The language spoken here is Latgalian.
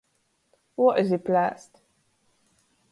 Uozi plēst.